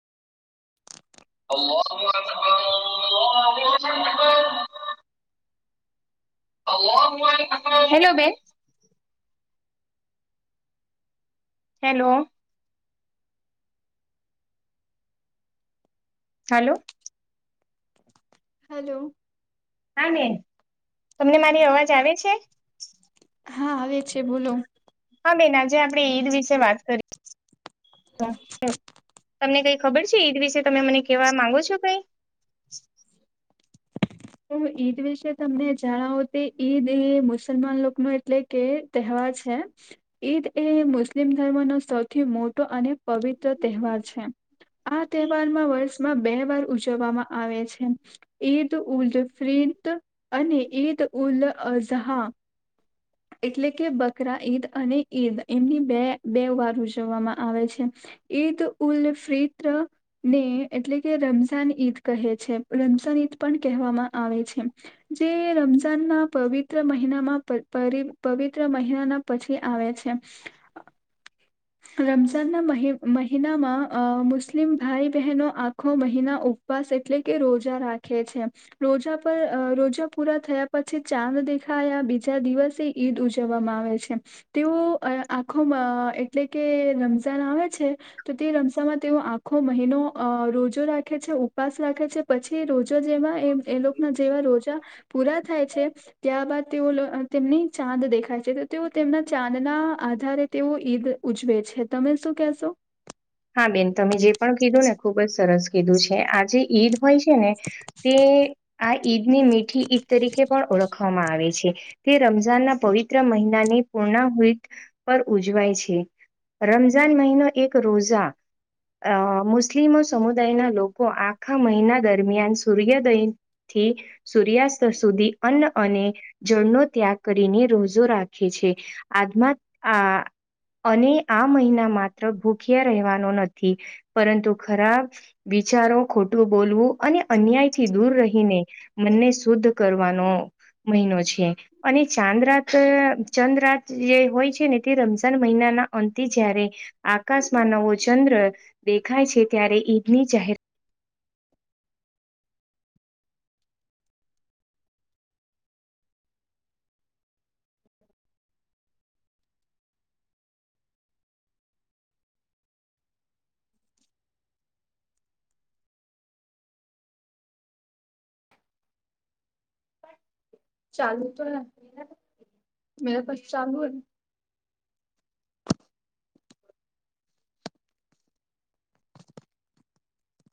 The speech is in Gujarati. [unintelligible] હેલો બેન હેલો હલો હલો હા બેન તમને મારી અવાજ આવે છે. હા હવે છે બોલો હા બેન આજે આપણેે ઈદ વિશે વાત કરી તમને કઈ ખબર છે એદ વિશે તમે મને કેવા માંગો છો કઈ તો ઈદ વિશે તમને જણાવો તે ઈદ એ મુસલમાન લોકો ન એટલે કે તહેવાર છે. ઈદ એ મુસ્લિમ ધર્મનો સૌથી મોટો અને પવિત્ર તહેવાર છે. આ તહેવાર માં વર્ષમાં બે વાર ઉજવવામાં આવે છે ઈદ ઉદ ફિંત અને ઈદ ઉલ અઝહા એટલે કે બકરા ઈદ અને ઈદ એમની બે બે વાર ઉજવવામાં આવે છે. ઈદ ઉલ ફિત્ર ને એટલે કે રમઝાન ઈદ કહે છે રમઝાન ઈદ પણ કહેવામાં આવે છે. જે રમઝાન ના પવિત્ર મહિનામાં પરિ પવિત્ર મહિનાના પછી આવે છે. રમઝાન ના મહી મહિનામાં મુસ્લિમ ભાઈ બહેનો આખો મહિના ઉપસ એટલે કે રોજા રાખે છે. રોજા પર રોજા પૂરા થયા પછી ચાંદ દેખાયા બીજા દિવસે ઈદ ઉજવવામાં આવે છે તેઓ આખો એટલે કે રમઝાન આવે છે તો તે રમઝાનમાં તેઓ આ ખો મહિનો અ રોજો રાખે છે. ઇપાસ રાખે છે પછી રોજા જેવા એ એ લોકોના જેવા રોજા પૂરા થાય છે ત્યાર બાદ તેઓ તેમની ચાંદ દેખાય છે તો તેઓ તેમના ચાંદ ના આધારે તેઓ ઈદ ઉજવે છે તમે શું કેશો હા બેન તમે જે પણ કીધું ને ખુબ જ સરસ કીધું છે આજે ઈદ હોય છે ને તે આ ઈદ ની મીઠી ઈદ તરીકે પણ ઓળખવામાં આવે છે. તે રમઝાનના પવિત્ર મહિનાની પૂર્ણહિત પર ઉજવાય છે. રમઝાન મહિનો એક રોઝા અ મુસ્લિમો સમુદાયના લોકો આખા મહિના દરમિયાન સૂર્યોદય થી સૂર્યાસ્ત સુધી અન્ન અને જળનો ત્યાગ કરીને રોજો રાખે છે આતમાં આ અને આ મહિના માત્ર ભૂખ્યા રહેવાનો નથી પરંતુ ખરાબ વિચારો ખોટું બોલવું અને અન્યાયથી દૂર રહીને મનને શુદ્ધ કરવાનો મહિનો છે. અને ચાંદ રાત ચંદ રાત જે હોય છે, ને તે રમઝાન મહિનાના અંતે જયારે આકાશમાં નવો ચંદ્ર દેખાય છે, ત્યારે ઈદ ની જાહે ચાલુ તો હે કશ ચાલુ હે